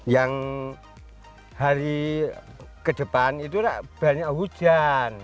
yang hari ke depan itu banyak hujan